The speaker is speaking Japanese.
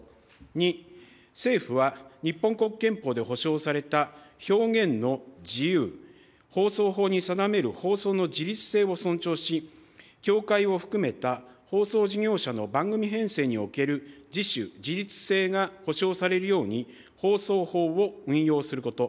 ２、政府は日本国憲法で保障された表現の自由、放送法に定める放送の自律性を尊重し、協会を含めた放送事業者の番組編成における自主・自律性が保障されるように、放送法を運用すること。